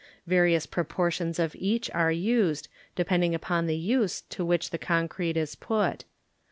Various proportbns of eacb are used, depending upon the use to which the concrete is put.